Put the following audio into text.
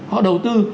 họ đầu tư